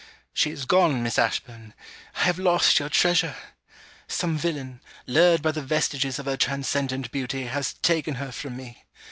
She is gone, Miss Ashburn? I have lost your treasure! Some villain, lured by the vestiges of her transcendent beauty, has taken her from me.